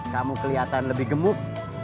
kamu kelihatan lebih gemuk